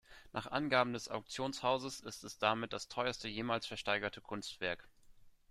Nach Angaben des Auktionshauses ist es damit das teuerste jemals versteigerte Kunstwerk.